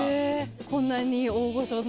こんなに大御所な。